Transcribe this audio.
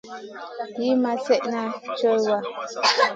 Liyn ma slèdeyn co wa.